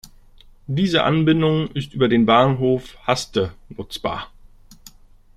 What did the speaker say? Diese Anbindung ist über den Bahnhof Haste nutzbar.